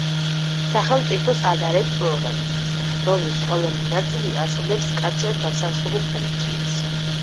სახელმწიფოს ადარებს ორგანიზმს, რომლის ყოველი ნაწილი ასრულებს მკაცრად განსაზღვრულ ფუნქციას.